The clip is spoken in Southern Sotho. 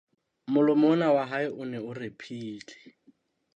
Molomo ona wa hae o ne o rephile.